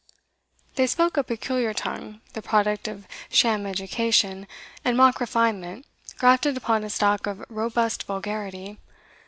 They spoke a peculiar tongue, the product of sham education and mock refinement grafted upon a stock of robust vulgarity.